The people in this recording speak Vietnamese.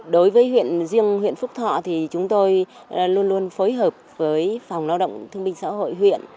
đối với huyện riêng huyện phúc thọ thì chúng tôi luôn luôn phối hợp với phòng lao động thương minh xã hội huyện